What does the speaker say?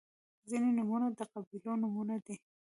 • ځینې نومونه د قبیلو نومونه دي.